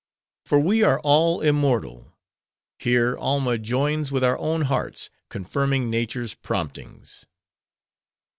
For we are all immortal. Here, Alma joins with our own hearts, confirming nature's promptings."